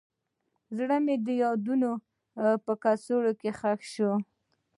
زړه مې د یادونو په کوڅو کې ښخ شو.